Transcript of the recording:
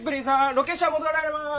ロケ車戻られます。